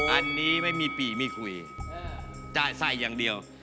อันนี้ไม่มีปีมีคุยจะใส่อย่างเดียว